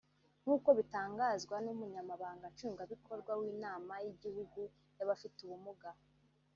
nk’uko bitangazwa n’umunyamabanga Nshingwabikorwa w’inama y’igihugu y’abafite ubumuga